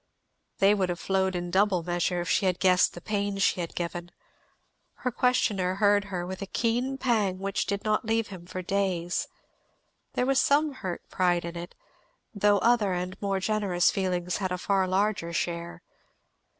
They would have flowed in double measure if she had guessed the pain she had given. Her questioner heard her with a keen pang which did not leave him for days. There was some hurt pride in it, though other and more generous feelings had a far larger share.